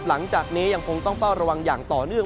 หลังจากนี้ยังคงต้องเฝ้าระวังอย่างต่อเนื่อง